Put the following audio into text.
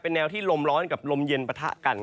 แนวที่ลมร้อนกับลมเย็นปะทะกัน